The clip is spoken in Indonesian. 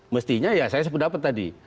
mestinya saya sependapat tadi